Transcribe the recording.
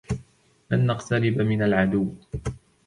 لن نقترب من العدو.